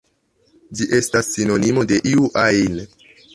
Ĝi estas sinonimo de "iu ajn".